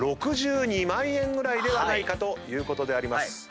６２万円ぐらいではないかということであります。